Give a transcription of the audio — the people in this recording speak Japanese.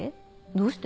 どうして？